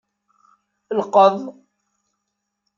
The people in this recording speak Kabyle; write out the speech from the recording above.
Lqeḍ.